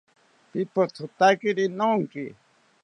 Pipothotakiri nonki